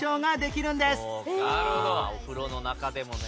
そうかお風呂の中でもね。